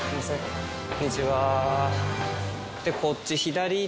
こんにちは。